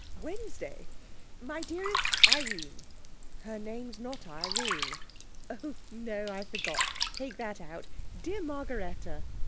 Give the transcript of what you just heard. Wednesday. My dearest Irene.' 'Her name's not Irene.' 'Oh no, I forgot. Take that out. Dear Margaretta.